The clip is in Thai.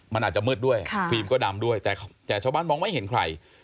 มันอาจจะมืดด้วยฟิล์มก็ดำด้วยแต่ชาวบ้านมองไม่เห็นใคร